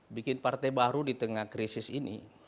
bikin partai baru di tengah krisis ini